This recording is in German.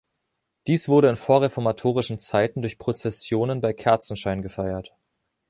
Dies wurde in vorreformatorischen Zeiten durch Prozessionen bei Kerzenschein gefeiert.